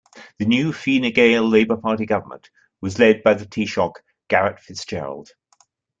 The new Fine Gael-Labour Party government was led by the Taoiseach Garret FitzGerald.